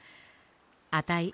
あたい